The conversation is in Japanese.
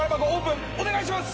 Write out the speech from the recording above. お願いします。